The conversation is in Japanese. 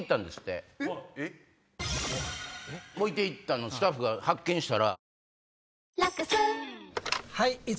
置いて行ったのスタッフが発見したら。